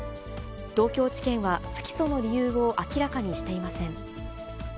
東京地検は不起訴の理由を明らかにしていません。